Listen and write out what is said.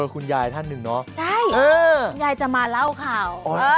คู่กัดสบัดข่าว